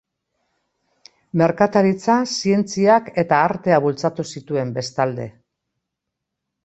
Merkataritza, zientziak eta artea bultzatu zituen, bestalde.